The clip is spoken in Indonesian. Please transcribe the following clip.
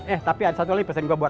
eh tapi ada satu lagi pesen gue buat lo